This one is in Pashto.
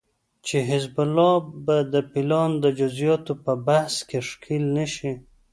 چې حزب الله به د پلان د جزياتو په بحث کې ښکېل نشي